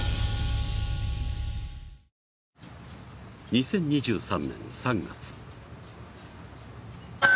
２０２３年３月。